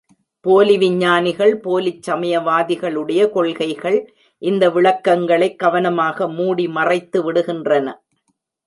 போலி விஞ்ஞானிகள், போலிச் சமயவாதிகளுடைய கொள்கைகள் இந்த விளக்கங்களைக் கவனமாக மூடி மறைத்துவிடுகின்றன.